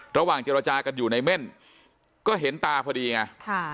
ระหว่างเจรจากันอยู่ในเม่นก็เห็นตาพอดีไง